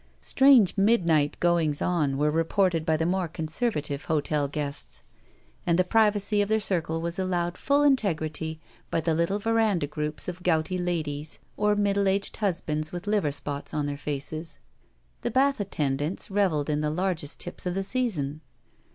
Strange midnight goings on were reported by the more conservative hotel guests, and the privacy of their circle was allowed full integrity by the little veranda groups of • gouty ladies or middle aged husbands with liver spots on their faces. The bath attendants reveled in the largest tips of the season.